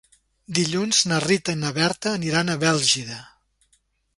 Dilluns na Rita i na Berta aniran a Bèlgida.